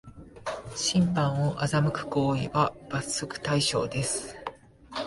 審判を欺く行為は罰則対象です